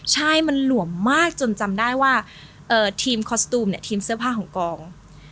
ใช่มันหลวมมากจนจำได้ว่าทีมคอสตูมเนี่ยทีมเสื้อผ้าของกอง